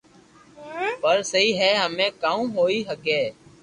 پر سھي ھي ھمي ڪاو ھوئي ھگي